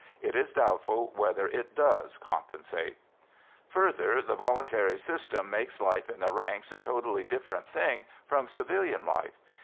It is doubtful whether it does compensate. Further, the voluntary system makes of life in the ranks a totally different thing from civilian life.